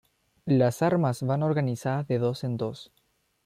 Las armas van organizadas de dos en dos.